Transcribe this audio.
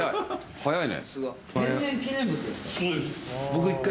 早いね。